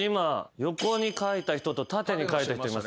横に書いた人と縦に書いた人いますね。